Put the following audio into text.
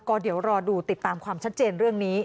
ก็เดี๋ยวรอดูติดตามความชัดเจนเรื่องนี้